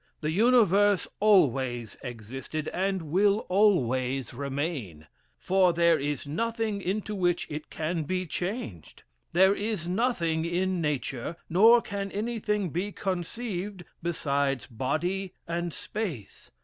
The universe always existed, and will always remain; for there is nothing into which it can be changed. There is nothing in Nature, nor can anything be conceived, besides body and space.